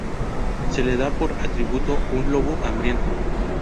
Se le da por atributo un lobo hambriento.